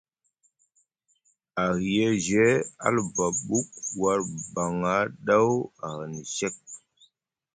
Ahiyeje a luba ɓuk war baŋa ɗaw ahani sek.